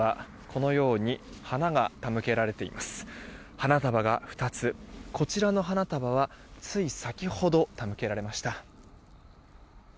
こちらの花束はつい先ほど手向けられました。